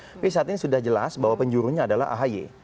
tapi saat ini sudah jelas bahwa penjurunya adalah ahy